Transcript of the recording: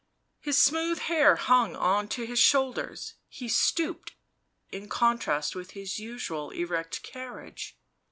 His smooth hair hung on to his shoulders ; he stooped, in contrast with his usual erect carriage.